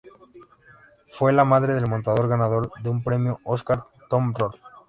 Fue la madre del montador ganador de un Premio Oscar Tom Rolf.